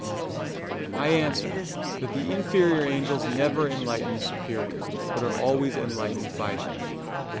I answer that, The inferior angels never enlighten the superior, but are always enlightened by them.